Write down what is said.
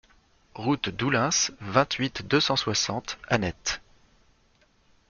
Route d'Oulins, vingt-huit, deux cent soixante Anet